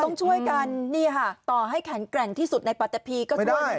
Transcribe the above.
ต้องช่วยกันนี่ค่ะต่อให้แขนแกร่งที่สุดในปัจจัยพีก็ท่วมไม่ได้หรอก